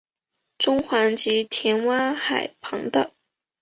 中环及田湾海旁道。